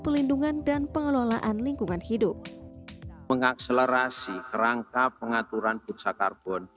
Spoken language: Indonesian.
pelindungan dan pengelolaan lingkungan hidup mengakselerasi kerangka pengaturan bursa karbon